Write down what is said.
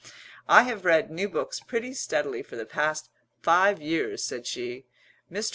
"I have read new books pretty steadily for the past five years," said she. "Mr.